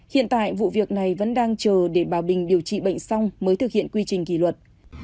hiện tại vụ việc này vẫn đang chờ để bà bình điều trị bệnh xong mới thực hiện quy trình kỳ luật